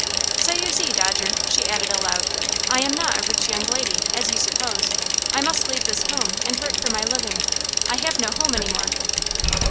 So you see, Dodger," she added, aloud, "I am not a rich young lady, as you suppose. I must leave this house, and work for my living. I have no home any more."